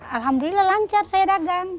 alhamdulillah lancar saya dagang